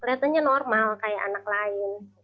kelihatannya normal kayak anak lain